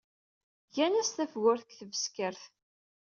Gan-as tafgurt deg Tbeskert.